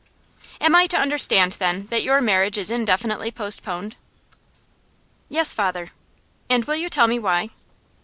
'Am I to understand, then, that your marriage is indefinitely postponed?' 'Yes, father.' 'And will you tell me why?